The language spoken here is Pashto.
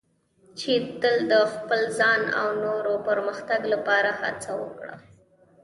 چې تل د خپل ځان او نورو پرمختګ لپاره هڅه وکړه.